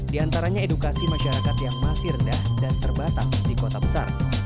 di antaranya edukasi masyarakat yang masih rendah dan terbatas di kota besar